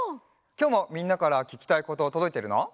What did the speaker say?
きょうもみんなからききたいこととどいてるの？